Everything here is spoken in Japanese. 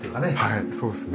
はいそうですね。